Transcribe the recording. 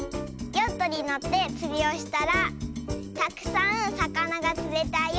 「ヨットにのってつりをしたらたくさんさかながつれたよ」。